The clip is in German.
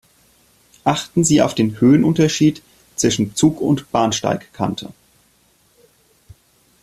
Achten Sie auf den Höhenunterschied zwischen Zug und Bahnsteigkante.